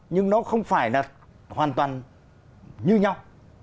nhưng nó không phải là hoàn toàn như nhau